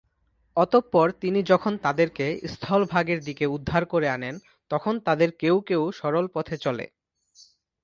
অতঃপর তিনি যখন তাদেরকে স্থলভাগের দিকে উদ্ধার করে আনেন, তখন তাদের কেউ কেউ সরল পথে চলে।